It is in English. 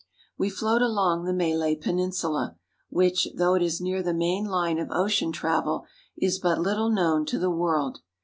We float along the Malay Peninsula, which, though it is near the main line of ocean travel, is but little known to the world.